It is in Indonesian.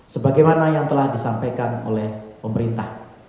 sebagaimana yang telah disampaikan oleh pemerintah